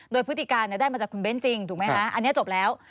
โดยพฤติการได้มาจากคุณเบ้นจริงถูกไหมคะอันนี้จบแล้ว